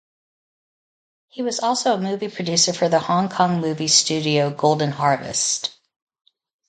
He was also a movie producer for the Hong Kong movie studio Golden Harvest.